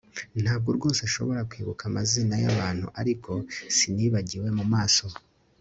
Ntabwo rwose nshobora kwibuka amazina yabantu ariko sinibagiwe mumaso